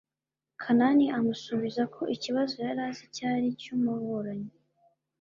kanani amusubiza ko ikibazo yari azi cyari icy' umuburanyi